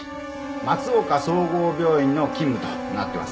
松岡総合病院の勤務となってますな。